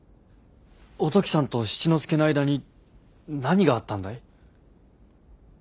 おトキさんと七之助の間に何があったんだい？